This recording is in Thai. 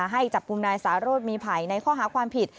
ให้จับกลุ่มนายสารสมีไผ่ในข้อหาความผิด